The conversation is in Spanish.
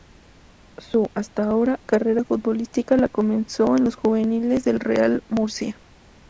Su, hasta ahora, carrera futbolística la comenzó en los juveniles del Real Murcia.